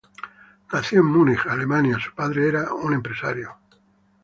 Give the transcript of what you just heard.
Nacido en Múnich, Alemania, su padre eran un empresario.